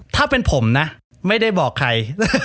ถ้าเป็นผมนะไม่ได้บอกใคร